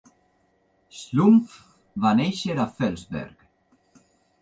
Schlumpf va néixer a Felsberg.